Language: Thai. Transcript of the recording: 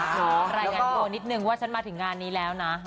ใจกลัวนิดนึงว่าฉันมาไม่วิ่งถึงงานนี้แล้ว